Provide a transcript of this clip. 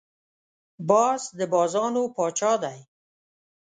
باز د بازانو پاچا دی